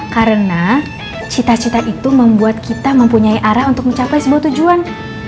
karena cita cita itu membuat kita mempunyai arah untuk mencapai sebuah tujuan